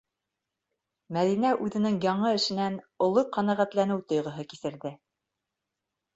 Мәҙинә үҙенең яңы эшенән оло ҡәнәғәтләнеү тойғоһо кисерҙе.